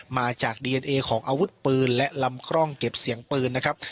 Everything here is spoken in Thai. มาจากดีเอนเอของอาวุธปืนและลำคล่องเก็บเสียงปืนนะครับ